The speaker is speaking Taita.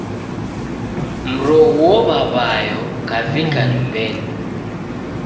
Mroghuo w'aw'ayo kavika nyumbeni.